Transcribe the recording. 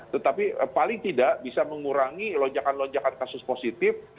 tetapi paling tidak bisa mengurangi lonjakan lonjakan kasus positif